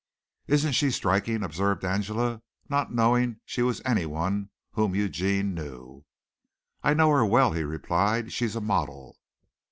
"Isn't she striking," observed Angela, not knowing she was anyone whom Eugene knew. "I know her well," he replied; "she's a model."